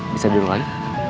bisa dulu aja